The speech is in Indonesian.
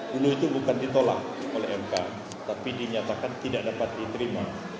dulu itu bukan ditolak oleh mk tapi dinyatakan tidak dapat diterima